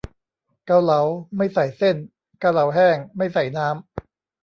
เกาเหลา ไม่ใส่เส้น เกาเหลาแห้ง ไม่ใส่น้ำ